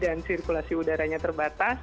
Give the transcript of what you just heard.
dan sirkulasi udaranya terbatas